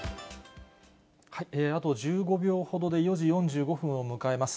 あと１５秒ほどで４時４５分を迎えます。